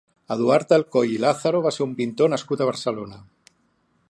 Eduard Alcoy i Lázaro va ser un pintor nascut a Barcelona.